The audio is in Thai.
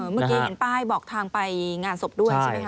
เมื่อกี้เห็นป้ายบอกทางไปงานศพด้วยใช่ไหมค